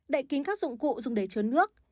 đậy kính các dụng cụ dùng để chứa nước